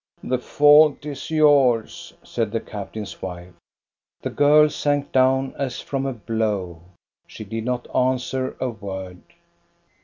" The fault is yours," said the captain's wife. The girl sank down as from a blow. She did not answer a word.